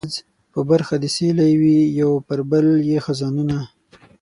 ورځ په برخه د سیلۍ وي یو پر بل یې خزانونه